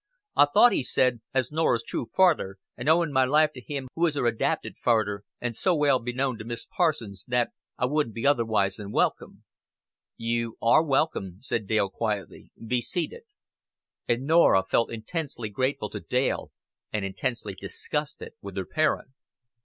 "I thought," he said, "as Norrer's true farder, and owing my life to him who is her adapted farder, and so well beknown to Miss Parsons, that I wouldn't be otherwise than welcome." "You are welcome," said Dale quietly. "Be seated." And Norah felt intensely grateful to Dale and intensely disgusted with her parent.